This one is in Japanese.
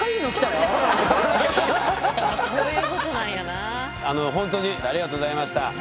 ほんとにありがとうございました。